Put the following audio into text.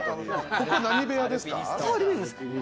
ここ何部屋ですか？